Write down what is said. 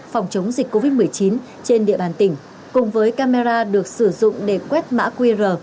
phòng chống dịch covid một mươi chín trên địa bàn tỉnh cùng với camera được sử dụng để quét mã qr